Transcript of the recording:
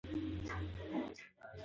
په دې دره کې یوه سړه چینه بهېږي.